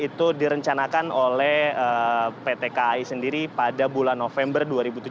itu direncanakan oleh pt kai sendiri pada bulan november dua ribu tujuh belas